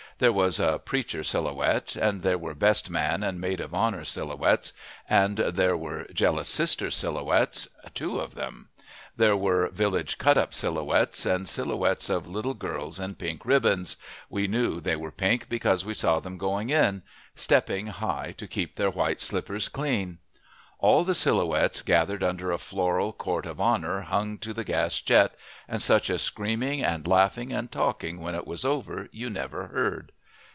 There was a Preacher Silhouette, and there were Best Man and Maid of Honor Silhouettes, and their were Jealous Sister Silhouettes two of them. There were Village Cut Up Silhouettes and Silhouettes of Little Girls in Pink Ribbons we knew they were pink because we saw them going in, stepping high to keep their white slippers clean. All the Silhouettes gathered under a floral Court of Honor hung to the gas jet, and such a screaming and laughing and talking when it was over, you never heard!